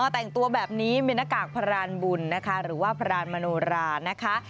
แต่งตัวแบบนี้มีหน้ากากพรานบุญนะคะหรือว่าพรานมโนรานะคะ